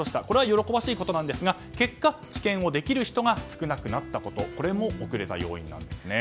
これは喜ばしいことですが結果、治験をできる人が少なくなったことこれも遅れた要因なんです。